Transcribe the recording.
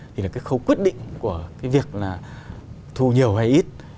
thì là cái khâu quyết định của cái việc là thu nhiều hay ít